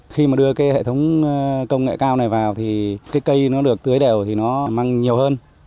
khi mà đưa cái hệ thống công nghệ cao này vào thì cái cây nó được tưới đều thì nó măng nhiều hơn